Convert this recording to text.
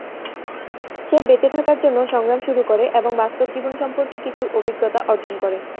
সে বেঁচে থাকার জন্য সংগ্রাম শুরু করে এবং বাস্তব জীবন সম্পর্কে কিছু অভিজ্ঞতা অর্জন করে।